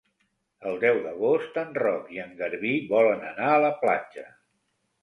El deu d'agost en Roc i en Garbí volen anar a la platja.